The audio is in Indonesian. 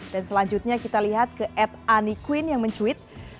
dan selanjutnya kita lihat ke ed anikwin yang mencuit